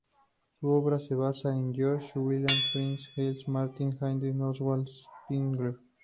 Su obra se basa en Georg Wilhelm Friedrich Hegel, Martin Heidegger y Oswald Spengler.